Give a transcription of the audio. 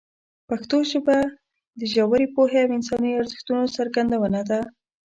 پښتو ژبه د ژورې پوهې او انساني ارزښتونو څرګندونه ده.